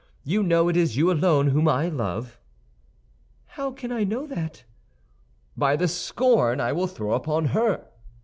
You know it is you alone whom I love." "How can I know that?" "By the scorn I will throw upon her."